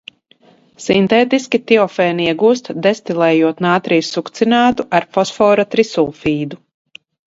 Sintētiski tiofēnu iegūst, destilējot nātrija sukcinātu ar fosfora trisulfīdu.